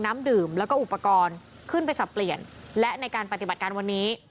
น้ำดื่มแล้วก็อุปกรณ์ขึ้นไปสับเปลี่ยนและในการปฏิบัติการวันนี้